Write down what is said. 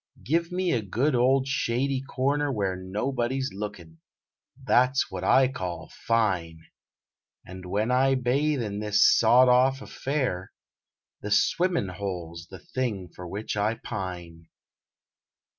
Give me a good old shady corner where Nobody s lookin . That s what I call " fine! " And when I bathe in this sawed off affair, The swimmin hole s the thing for which I pine.